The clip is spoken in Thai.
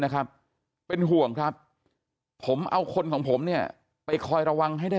นะครับเป็นห่วงครับผมเอาคนของผมเนี่ยไปคอยระวังให้ได้